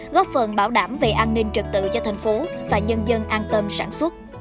góp phần bảo đảm về an ninh trật tự cho thành phố và nhân dân an tâm sản xuất